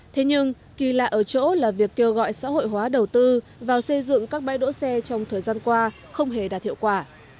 thế nhưng kỳ lạ ở chỗ là việc kêu gọi xã hội hóa đầu tư vào xây dựng các bãi đỗ xe trong thời gian qua không hề đạt hiệu quả